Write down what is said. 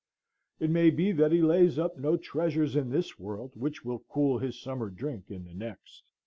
It may be that he lays up no treasures in this world which will cool his summer drink in the next.